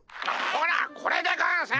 ほらこれでゴンス！